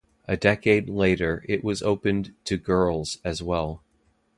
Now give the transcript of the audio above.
A decade later it was opened to girls as well.